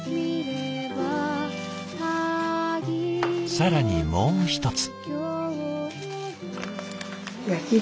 更にもう一つ。